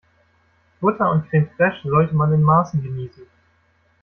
Butter und Creme fraiche sollte man in Maßen genießen.